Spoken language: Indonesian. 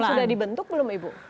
nah tim ini sudah dibentuk belum ibu